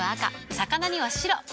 魚には白。